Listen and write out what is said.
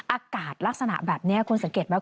อากาศลักษณะแบบนี้คุณสังเกตไหม